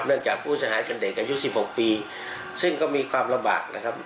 จากผู้เสียหายเป็นเด็กอายุสิบหกปีซึ่งก็มีความลำบากนะครับ